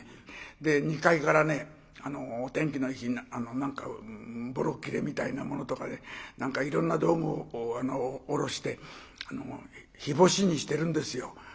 ２階からお天気のいい日に何かぼろっきれみたいなものとかで何かいろんな道具を下ろして日干しにしてるんですよ。